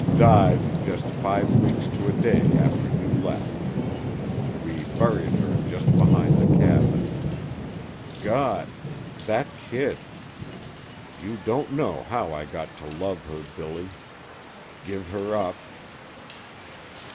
died just five weeks to a day after you left. We buried her just behind the cabin. God... that kid... You don't know how I got to love her, Billy.... give her up..."